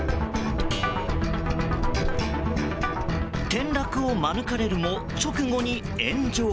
転落を免れるも直後に炎上。